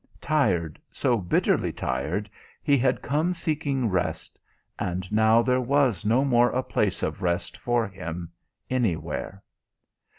Tired, so bitterly tired, he had come seeking rest, and now there was no more a place of rest for him anywhere.